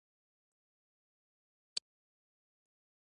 خپل خدای ورکړي نعمتونه به يې ډېر تر سترګو ورځي.